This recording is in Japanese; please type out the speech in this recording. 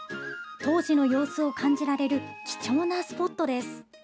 当時の様子を感じられる貴重なスポットです。